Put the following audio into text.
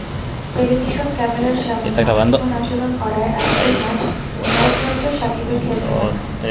Television ক্যামেরার সামনে অশোভন আচরণ করায় আজকের ম্যাচ পর্যন্ত সাকিবের খেলতে মানা।